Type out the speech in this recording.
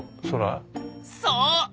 そう。